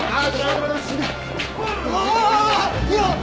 ああ！